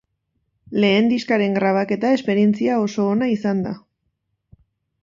Lehen diskaren grabaketa esperientzia oso ona izan da.